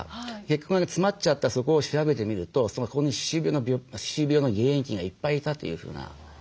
血管が詰まっちゃったそこを調べてみるとそこに歯周病の原因菌がいっぱいいたというふうなね